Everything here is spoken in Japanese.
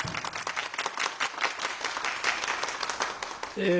え